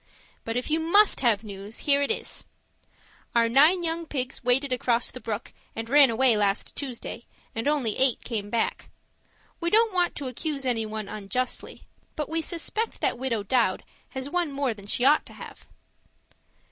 But if you MUST have news, here it is: Our nine young pigs waded across the brook and ran away last Tuesday, and only eight came back. We don't want to accuse anyone unjustly, but we suspect that Widow Dowd has one more than she ought to have.